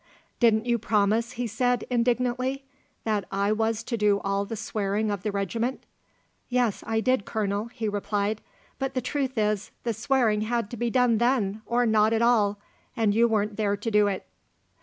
'Didn't you promise,' he said, indignantly, 'that I was to do all the swearing of the regiment?' 'Yes, I did, Colonel,' he replied; 'but the truth is, the swearing had to be done then, or not at all and you weren't there to do it.